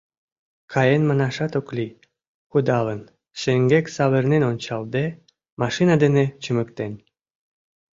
Каен манашат ок лий, кудалын, шеҥгек савырнен ончалде, машина дене чымыктен.